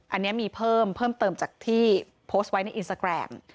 อันนี้มีเพิ่มเพิ่มเติมจากที่โพสต์ไว้ในอินสตาแกรม